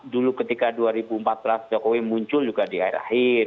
dulu ketika dua ribu empat belas jokowi muncul juga di akhir akhir